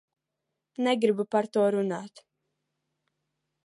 Negribu par to runāt.